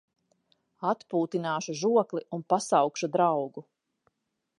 Atpūtināšu žokli un pasaukšu draugu.